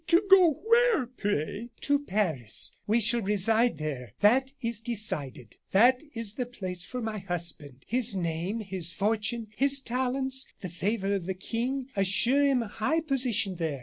"To go where, pray?" "To Paris. We shall reside there; that is decided. That is the place for my husband. His name, his fortune, his talents, the favor of the King, assure him a high position there.